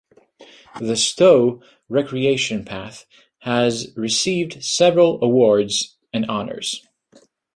The Stowe Recreation Path has received several awards and honors.